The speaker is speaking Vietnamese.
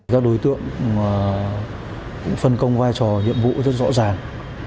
các đối tượng cũng phân công vai trò nhiệm vụ rất rõ ràng